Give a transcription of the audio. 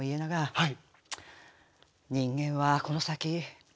はい？